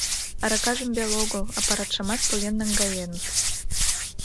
Аракажым веле огыл, аппаратшымат поген наҥгаеныт.